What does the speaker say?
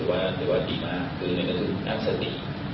ส่วนแรกดีมากก็คือนำทรรี